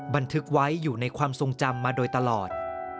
บันทึกไว้อยู่ในความทรงจำมาโดยตลอด